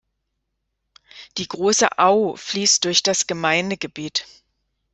Die "Große Au" fließt durch das Gemeindegebiet.